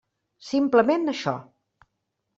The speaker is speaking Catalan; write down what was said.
Simplement això.